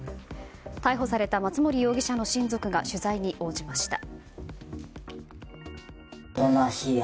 逮捕された松森容疑者の親族が取材に応じました。